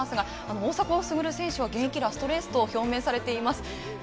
大迫傑選手は現役ラストレースと表明されています。